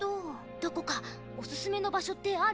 どこかお勧めの場所ってある？